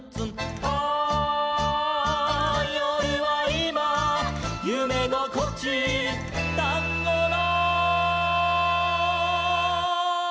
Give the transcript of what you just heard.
「ああよるはいまゆめごこち」「タンゴの」